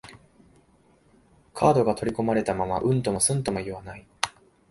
カードが取り込まれたまま、うんともすんとも言わない